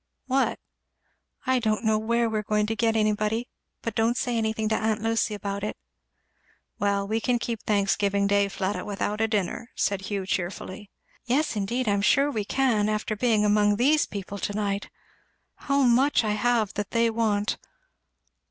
"What?" "I don't know where we are going to get anybody! But don't say anything to aunt Lucy about it." "Well, we can keep Thanksgiving day, Fleda, without a dinner," said Hugh cheerfully. "Yes indeed; I am sure I can after being among these people to night. How much I have that they want!